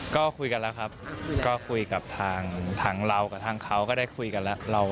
ก็คุยกันแล้วครับก็คุยกับทางเรากับทางเขาก็ได้คุยกันแล้ว